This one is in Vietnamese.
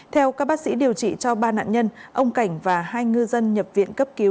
theo các bác sĩ điều trị cho ba nạn nhân ông cảnh và hai ngư dân nhập viện cấp cứu